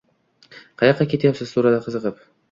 -Qayoqqa ketyapsiz? – so’radi qiziqib.